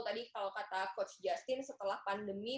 tadi kalau kata coach justin setelah pandemi